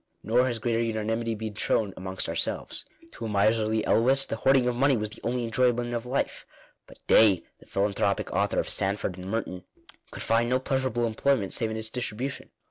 Nor has greater unanimity been shown amongst ourselves. To a miserly Elwes the hoarding of money was the only enjoyment of life; but Day, the philanthropic author of "Sand ford and Morton," could find no pleasurable employment save in its distribution.